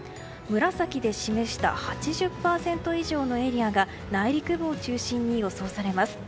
紫で示した８０％以上のエリアが内陸部を中心に予想されます。